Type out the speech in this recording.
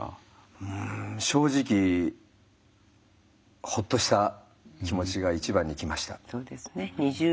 うん正直ほっとした気持ちが一番に来ました。